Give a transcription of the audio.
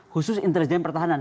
khusus intelijen pertahanan